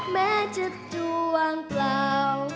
แม้จะดวงเปล่า